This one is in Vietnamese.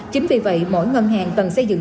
chính vì vậy mỗi ngân hàng cần xây dựng